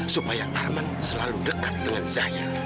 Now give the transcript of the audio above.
supaya arman selalu dekat dengan saya